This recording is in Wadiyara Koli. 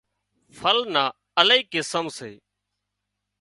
ڦل نان الاهي قسم سي